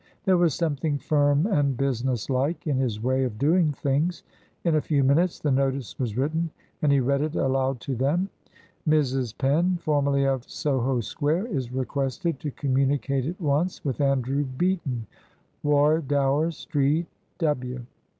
There was something firm and business like in his way of doing things. In a few minutes the notice was written, and he read it aloud to them: "Mrs. Penn, formerly of Soho Square, is requested to communicate at once with Andrew Beaton, Wardour Street, W."